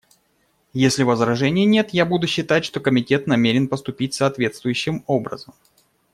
Если возражений нет, я буду считать, что Комитет намерен поступить соответствующим образом.